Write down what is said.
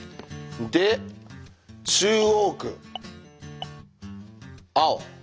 で中央区青。